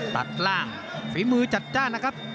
ตัดล่างฝีมือจัดจ้านนะครับ